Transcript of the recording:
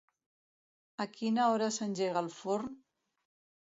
A quina hora s'engega el forn?